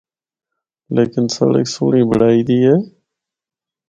لیکن سڑک سہنڑی بنڑائی دی اے۔